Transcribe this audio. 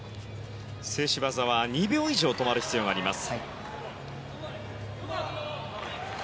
静止技は２秒以上止まる必要があります。